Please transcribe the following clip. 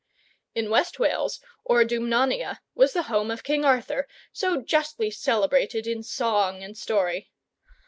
] In West Wales, or Dumnonia, was the home of King Arthur, so justly celebrated in song and story.